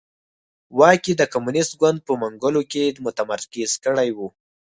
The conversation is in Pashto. واک یې د کمونېست ګوند په منګولو کې متمرکز کړی و.